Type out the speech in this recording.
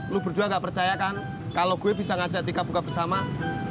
lo berdua gak percaya kan kalo gue bisa ngajak tika buka pesawat